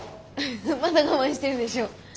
まだ我慢してるでしょ？